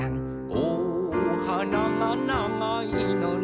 「おはながながいのね」